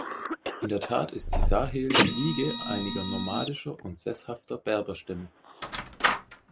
In der Tat ist die Sahel die Wiege einiger nomadischer und sesshafter Berberstämme.